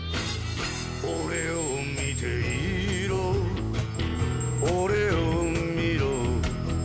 「俺を見ていろ」「俺を見ろ」